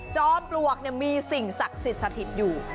จอมปลวกมีสิ่งศักดิ์สถิตย์อยู่